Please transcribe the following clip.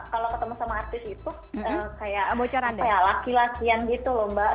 kalau ketemu sama artis itu kayak laki lakian gitu loh mbak